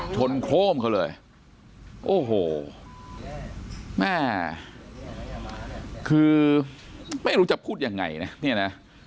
ชนโค้มเขาเลยโอ้โหแม่คือไม่รู้จะพูดยังไงนะ